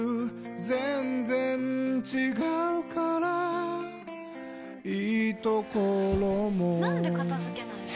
全然違うからいいところもなんで片付けないの？